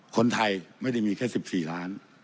คนไทยไม่ได้มีแค่๑๔ล้าน